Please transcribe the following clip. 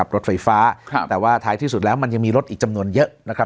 รถไฟฟ้าแต่ว่าท้ายที่สุดแล้วมันยังมีรถอีกจำนวนเยอะนะครับ